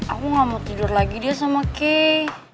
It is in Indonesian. aku enggak mau tidur lagi deh sama kay